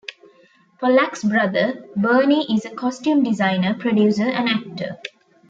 Pollack's brother, Bernie, is a costume designer, producer, and actor.